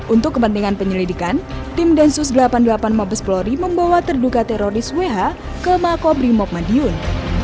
untuk kepentingan penyelidikan tim densus delapan puluh delapan mabes polori membawa terduga teroris who ke mako brimob madiun